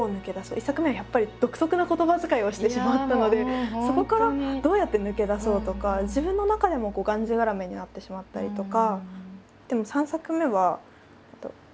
１作目はやっぱり独特な言葉遣いをしてしまったのでそこからどうやって抜け出そうとか自分の中でもがんじがらめになってしまったりとか。